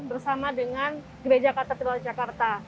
bersama dengan gereja katedral jakarta